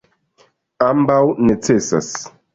Ambaŭ necesas.